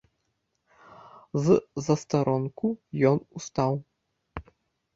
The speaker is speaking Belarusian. З застаронку ён устаў.